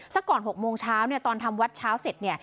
ก่อน๖โมงเช้าเนี่ยตอนทำวัดเช้าเสร็จเนี่ย